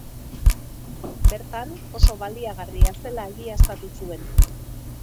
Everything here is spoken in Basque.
Bertan, oso baliagarria zela egiaztatu zuen.